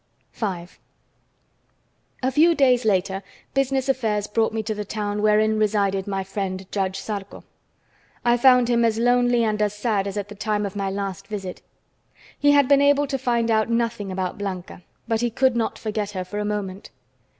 V A few days later business affairs brought me to the town wherein resided my friend Judge Zarco. I found him as lonely and as sad as at the time of my last visit. He had been able to find out nothing about Blanca, but he could not forget her for a moment.